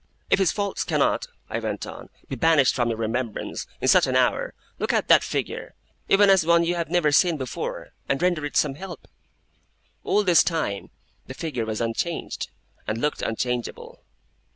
' if his faults cannot,' I went on, 'be banished from your remembrance, in such an hour; look at that figure, even as one you have never seen before, and render it some help!' All this time, the figure was unchanged, and looked unchangeable.